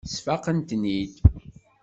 Sfaqent-ten-id.